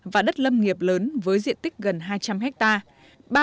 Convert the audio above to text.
và đất lâm nghiệp lớn với diện tích gần hai trăm linh hectare